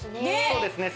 そうですね